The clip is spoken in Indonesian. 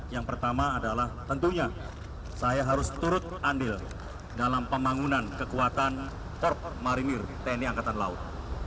yang pertama adalah tentunya saya harus turut andil dalam pembangunan kekuatan korp marinir tni angkatan laut